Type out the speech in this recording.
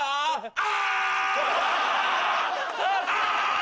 あ！